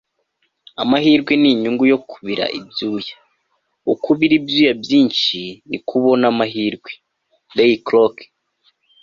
amahirwe ni inyungu yo kubira ibyuya. uko ubira ibyuya byinshi, niko ubona amahirwe. - ray kroc